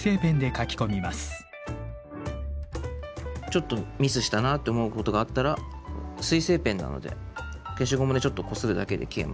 ちょっとミスしたなって思うことがあったら水性ペンなので消しゴムでちょっとこするだけで消えます。